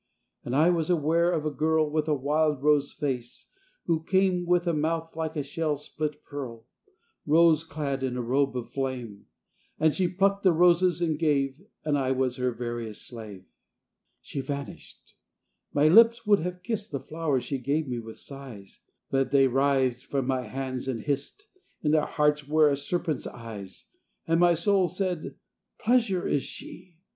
And I was aware of a girl With a wild rose face, who came, With a mouth like a shell's split pearl, Rose clad in a robe of flame; And she plucked the roses and gave, And I was her veriest slave. She vanished. My lips would have kissed The flowers she gave me with sighs, But they writhed from my hands and hissed, In their hearts were a serpent's eyes. And my soul said, "Pleasure is she.